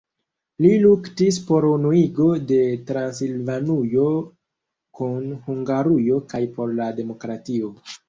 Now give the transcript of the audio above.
Li luktis por unuigo de Transilvanujo kun Hungarujo kaj por la demokratio.